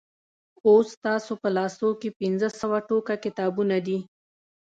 اوس ستاسو په لاسو کې پنځه سوه ټوکه کتابونه دي.